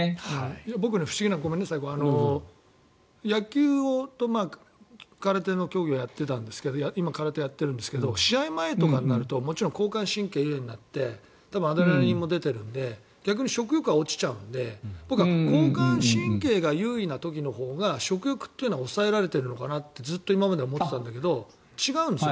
僕が不思議なのは野球と空手の競技をやっていたんですが今、空手をやっているんですが試合前とかになるともちろん交感神経が優位になって多分アドレナリンも出ているので逆に食欲は落ちちゃうので僕は交感神経が優位な時のほうが食欲というのは抑えられているのかなってずっと今まで思っていたんだけど違うんですね？